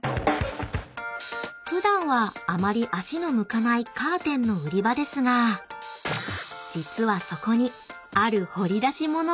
［普段はあまり足の向かないカーテンの売り場ですが実はそこにある］